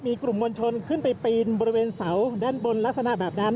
มีกลุ่มมวลชนขึ้นไปปีนบริเวณเสาด้านบนลักษณะแบบนั้น